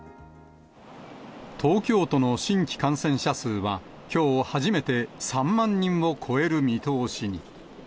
東京都の新規感染者数は、きょう初めて３万人を超える見通しに。